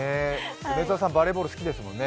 梅澤さん、バレーボール好きですもんね。